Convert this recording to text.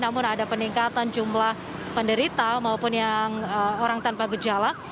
namun ada peningkatan jumlah penderita maupun yang orang tanpa gejala